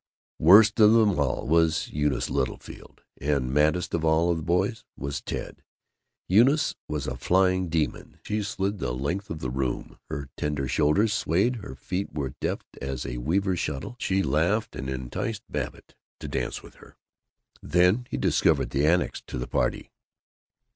Worst of them all was Eunice Littlefield, and maddest of all the boys was Ted. Eunice was a flying demon. She slid the length of the room; her tender shoulders swayed; her feet were deft as a weaver's shuttle; she laughed, and enticed Babbitt to dance with her. Then he discovered the annex to the party.